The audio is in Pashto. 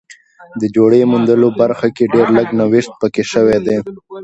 د جوړې موندلو برخه کې ډېر لږ نوښت پکې شوی دی